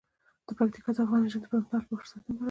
پکتیکا د افغان نجونو د پرمختګ لپاره فرصتونه برابروي.